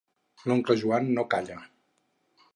L'oncle Joan no calla.